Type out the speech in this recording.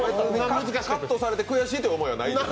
カットされて悔しいという思いはないんですか？